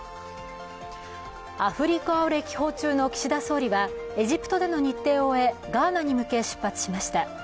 アフリカを歴訪中の岸田総理は、エジプトでの日程を終えガーナに向け、出発しました。